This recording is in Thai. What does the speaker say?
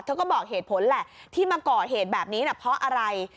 ก็บอกเหตุผลแหละที่มาก่อเหตุแบบนี้เพราะอะไร